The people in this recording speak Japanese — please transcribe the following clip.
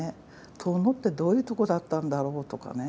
遠野ってどういうとこだったんだろうとかね